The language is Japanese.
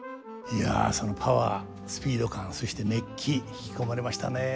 いやそのパワースピード感そして熱気引き込まれましたね。